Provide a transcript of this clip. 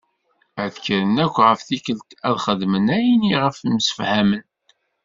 Ad kren akk ɣef tikelt ad xedmen ayen i ɣef msefhamen.